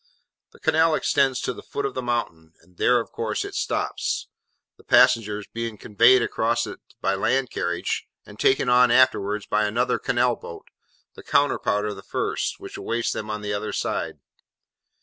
The canal extends to the foot of the mountain, and there, of course, it stops; the passengers being conveyed across it by land carriage, and taken on afterwards by another canal boat, the counterpart of the first, which awaits them on the other side.